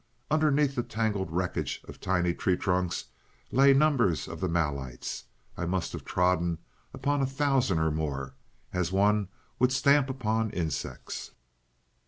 Underneath the tangled wreckage of tiny tree trunks, lay numbers of the Malites. I must have trodden upon a thousand or more, as one would stamp upon insects.